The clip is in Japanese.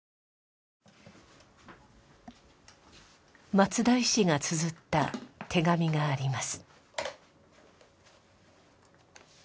松田医師がつづった手紙があります。